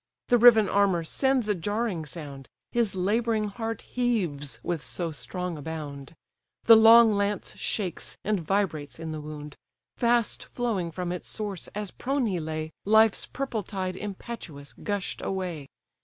The riven armour sends a jarring sound; His labouring heart heaves with so strong a bound, The long lance shakes, and vibrates in the wound; Fast flowing from its source, as prone he lay, Life's purple tide impetuous gush'd away.